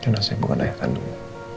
dia masih bukan ayah kandungnya